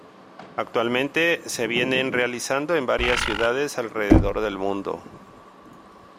Actualmente, se vienen realizando en varias ciudades alrededor del mundo.